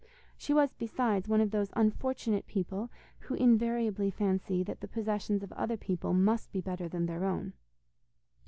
She was, besides, one of those unfortunate people who invariably fancy that the possessions of other people must be better than their own.